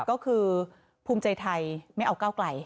ก็คือภูมิใจไทยไม่เอาก้าวไกล